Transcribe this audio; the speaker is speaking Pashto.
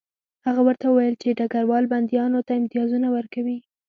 هغه ورته وویل چې ډګروال بندیانو ته امتیازونه ورکوي